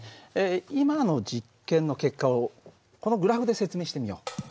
今の実験の結果をこのグラフで説明してみよう。